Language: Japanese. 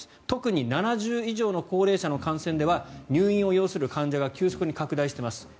特に７０歳以上の高齢者の感染では入院を要する患者が急速に拡大しています。